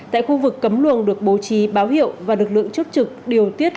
tại khu vực cấm luồng được bố trí báo hiệu và lực lượng chốt trực điều tiết